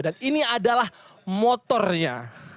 dan ini adalah motornya